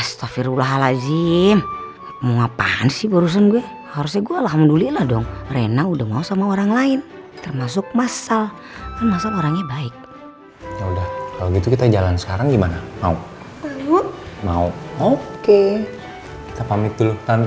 hai astagfirullahaladzim mau apaan sih barusan gue harusnya gue alhamdulillah dong rena udah mau sama orang lain termasuk masal masalahnya baik ya udah kalau gitu kita jalan sekarang gimana mau mau oke kita pamit dulu tante